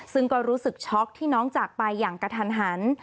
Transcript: ซึ่งก็รู้สึกช็อกที่น้องจากไปอย่างกระทันหัน